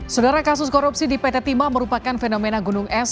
saudara kasus korupsi di pt timah merupakan fenomena gunung es